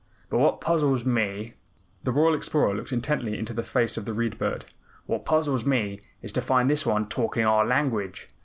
But what puzzles me " the Royal Explorer looked intently into the face of the Read Bird. "What puzzles me is to find this one talking our language.